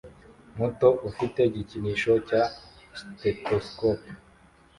muto ufite igikinisho cya stethoscope